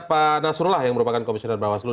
pak nasrullah yang merupakan komisioner bawaslu